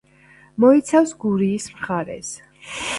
მოიცავს გურიის მხარეს.